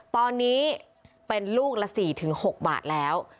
ตอนนี้เป็นลูกละ๔๖บาทแล้ว